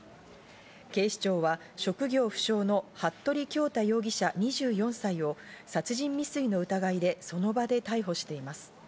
警視庁は職業不詳の服部恭太容疑者、２４歳を殺人未遂の疑いでその場で逮捕しています。